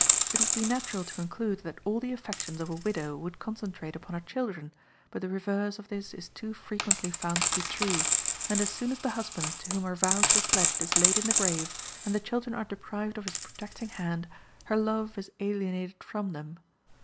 It would be natural to conclude that all the affections of a widow would concentrate upon her children, but the reverse of this is too frequently found to be true, and as soon as the husband to whom her vows were pledged is laid in the grave, and the children are deprived of his protecting hand, her love is alienated from them.